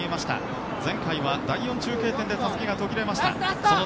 前回は第４中継点でたすきが途切れました。